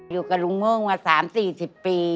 อยู่กับลุงเงิ่งมา๓๔๐ปี